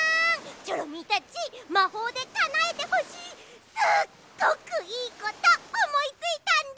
チョロミーたちまほうでかなえてほしいすっごくいいことおもいついたんだ！